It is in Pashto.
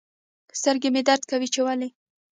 سترګي مي درد کوي چي ولي